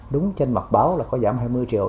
đúng trên mặt báo là có giảm hai mươi triệu